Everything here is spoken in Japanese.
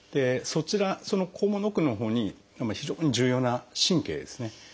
その肛門の奥のほうに非常に重要な神経ですね。